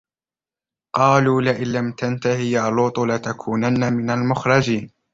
قَالُوا لَئِنْ لَمْ تَنْتَهِ يَا لُوطُ لَتَكُونَنَّ مِنَ الْمُخْرَجِينَ